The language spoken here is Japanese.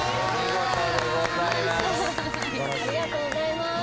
ありがとうございます。